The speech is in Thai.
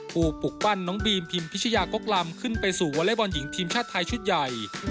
ปลูกปั้นน้องบีมพิมพิชยากกลำขึ้นไปสู่วอเล็กบอลหญิงทีมชาติไทยชุดใหญ่